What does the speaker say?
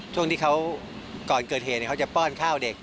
ช่วงที่เขาก่อนเกิดเหตุเขาจะป้อนข้าวเด็ก